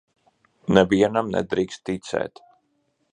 Nevienam nedrīkst ticēt.